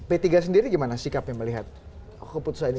p tiga sendiri gimana sikapnya melihat keputusan ini